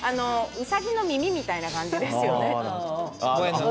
うさぎの耳みたいな感じですよね。